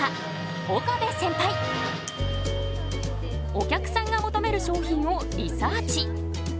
お客さんが求める商品をリサーチ。